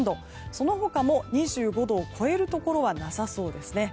その他も２５度を超えるところはなさそうです。